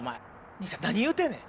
兄ちゃん何言うてんねん。